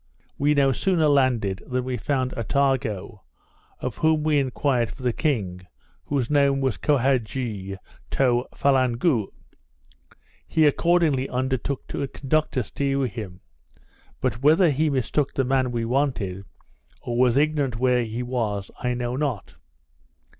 We no sooner landed than we found Attago, of whom we enquired for the king, whose name was Kohaghee too Fallangou. He accordingly undertook to conduct us to him; but, whether he mistook the man we wanted, or was ignorant where he was, I know not.